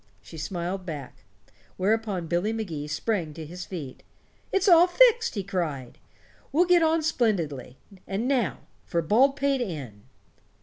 She smiled back. Whereupon Billy Magee sprang to his feet. "It's all fixed," he cried. "We'll get on splendidly. And now for Baldpate Inn."